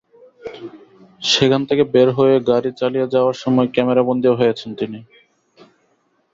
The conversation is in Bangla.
সেখান থেকে বের হয়ে গাড়ি চালিয়ে যাওয়ার সময় ক্যামেরাবন্দীও হয়েছেন তিনি।